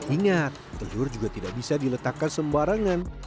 ingat telur juga tidak bisa diletakkan sembarangan